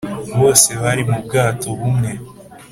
bose bari mu bwato bumwe.